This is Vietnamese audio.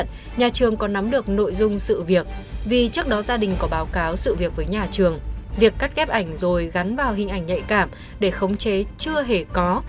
trước đó gia đình có báo cáo sự việc với nhà trường việc cắt ghép ảnh rồi gắn vào hình ảnh nhạy cảm để khống chế chưa hề có